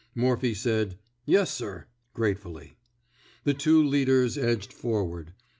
Morphy said, Yes, sir," gratefully. The two leaders edged forward.